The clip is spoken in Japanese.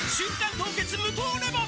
凍結無糖レモン」